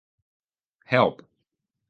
Help.